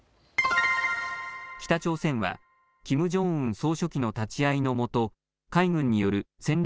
北朝鮮はキム・ジョンウン総書記の立ち会いのもと海軍による戦略